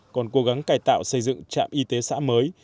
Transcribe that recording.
còn cố gắng cài tạo xây dựng trạm y tế xã mới